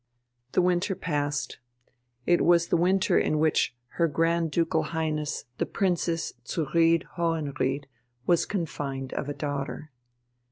The winter passed. It was the winter in which her Grand Ducal Highness the Princess zu Ried Hohenried was confined of a daughter.